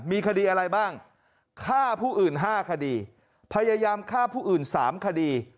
มีคดีอะไรบ้างฆ่าผู้อื่น๕คดีพยายามฆ่าผู้อื่น๓คดี